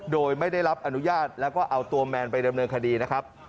โดยไม่ได้รับอนุญาตแล้วก็เอาตัวแมนไปดำเนินคดีนะครับ